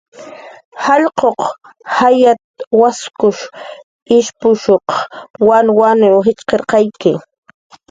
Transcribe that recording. "Jallq'kunaq jayat"" waskun ishpushuq wanwanw jitxqirqayki"